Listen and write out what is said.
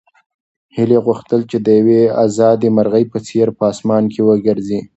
هیلې غوښتل چې د یوې ازادې مرغۍ په څېر په اسمان کې وګرځي.